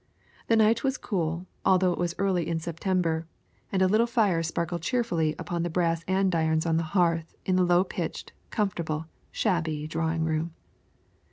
The night was cool, although it was early in September, and a little fire sparkled cheerfully upon the brass andirons on the hearth in the low pitched, comfortable, shabby drawing room.